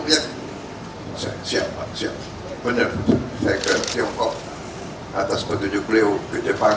siap siap menurut saya ke tiongkok atas petunjuk beliau ke jepang